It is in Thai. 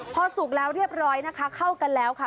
พอสุกแล้วเรียบร้อยนะคะเข้ากันแล้วค่ะ